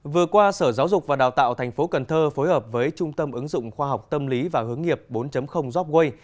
vừa qua sở giáo dục và đào tạo tp cn phối hợp với trung tâm ứng dụng khoa học tâm lý và hướng nghiệp bốn jobway